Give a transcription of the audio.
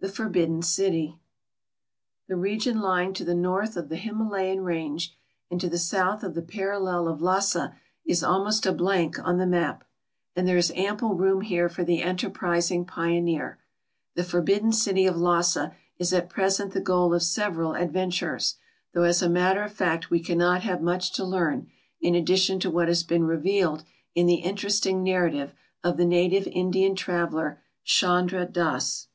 THE FOUniDDKN ( ITV The region lying to the north of the Himalayan range and to the south of the parallel of Lliasa is almost a l>iank on the niap. and there is ample room here for the enterprising pioneer. Tlie forbidden city of Lhasa is at present the goal of several advent urers, though as a matter of fact we cannot have mudi to learn in addition to what has been revealed in the interesting narra tive of the native Indian traveler, Chandra Pas.